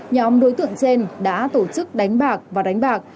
nhóm đối tượng trên đã tổ chức đánh bạc và đánh bạc